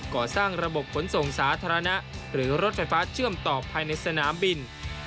ก่อสร้างระบบขนส่งสาธารณะหรือรถไฟฟ้าเชื่อมต่อภายในสนามบิน